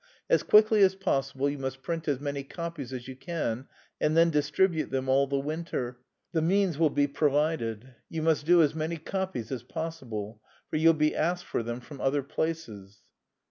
As quickly as possible you must print as many copies as you can, and then distribute them all the winter. The means will be provided. You must do as many copies as possible, for you'll be asked for them from other places."